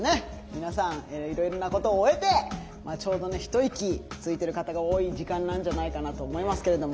皆さんいろいろなことを終えてちょうど一息ついてる方が多い時間なんじゃないかなと思いますけれども。